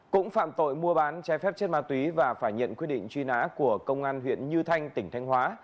cũng phạm tội mua bán trái phép chất ma túy và phải nhận quyết định truy nã của công an huyện như thanh tỉnh thanh hóa